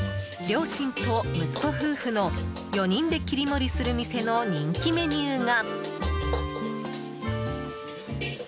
両親と息子夫婦の４人で切り盛りする店の人気メニューが。